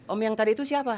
om yang tadi itu siapa